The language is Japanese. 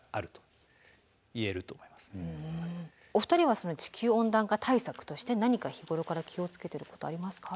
お二人はその地球温暖化対策として何か日頃から気を付けてることありますか？